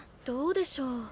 どうでしょう？